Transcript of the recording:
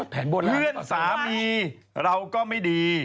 เพื่อนสามีเราก็ไม่ดี